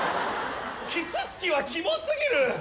キツツキはキモ過ぎる。